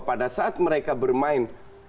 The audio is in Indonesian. pada saat mereka bermain